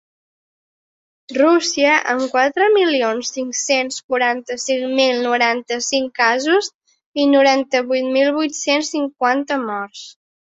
Rússia, amb quatre milions cinc-cents quaranta-cinc mil noranta-cinc casos i noranta-vuit mil vuit-cents cinquanta morts.